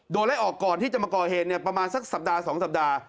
โดนไล่ออกก่อนที่จะมาก่อเหตุประมาณสักสัปดาห์สองสัปดาห์